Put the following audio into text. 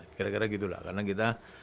kira kira gitu lah karena kita